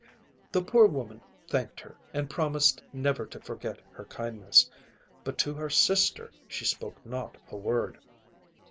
The poor woman thanked her and promised never to forget her kindness, but to her sister she spoke not a word.